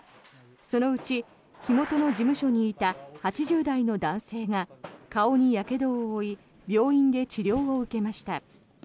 そのうち火元の事務所にいた８０代の男性が顔にやけどを負い病院で治療を受けました。